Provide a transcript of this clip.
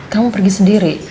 kamu pergi sendiri